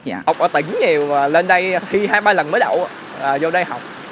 học ở tỉnh nhiều lên đây thi hai ba lần mới đậu vô đây học